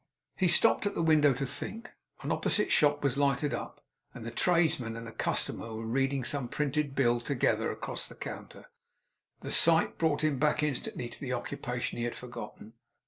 He stopped at the window to think. An opposite shop was lighted up; and the tradesman and a customer were reading some printed bill together across the counter. The sight brought him back, instantly, to the occupation he had forgotten.